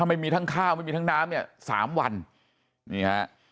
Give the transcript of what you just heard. ไม่มีทั้งข้าวไม่มีทั้งน้ำเนี่ยสามวันนี่ฮะ